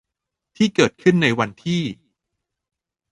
ที่เกิดขึ้นในวันที่